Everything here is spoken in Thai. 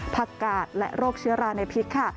กาดและโรคเชื้อราในพริกค่ะ